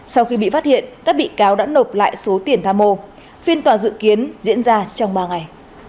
sau khi bị phát hiện các bị cáo đã nộp lại số tiền tham mô phiên tòa dự kiến diễn ra trong ba ngày